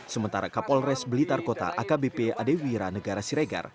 sementara kapolres blitar kota akbp adewira negara siregar